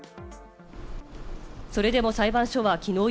それでも裁判所はきのう